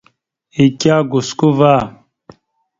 Ike a gosko ava.